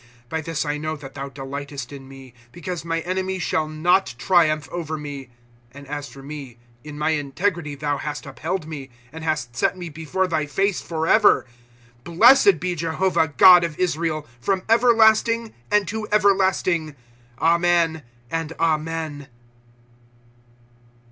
" By this I know' that thou delightest in me. Because my enemy shall not triumph over mc. " And as for me, in my integrity thou hast upheld me, And hiist set me before thy face forever. Blessed be Jehovah, God of Israel, pkom everlasting, and to everlasting. Amen and Amen.